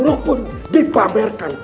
perbuatan buruk pun dipamerkan